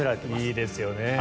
いいですよね。